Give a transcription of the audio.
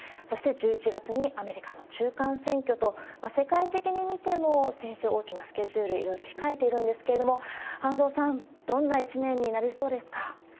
そして１１月にアメリカの中間選挙と、世界的に見ても政治、大きなスケジュールいろいろ控えているんですけれども、安藤さん、どんな一年になりそうですか？